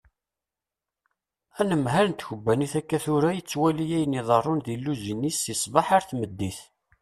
Anemhal n tkebbanit akka tura yettwali ayen iḍerrun di lluzin-is si sbeḥ ar tmeddit.